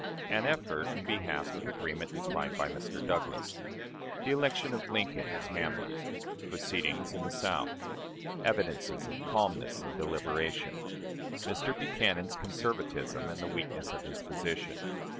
An Effort in Behalf of Agreement declined by Mr. Douglas. The Election of Lincoln and Hamlin. Proceedings in the South. Evidences of Calmness and Deliberation. Mr. Buchanan's Conservatism and the weakness of his Position.